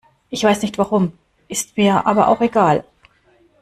Ich weiß nicht warum, ist mir aber auch egal.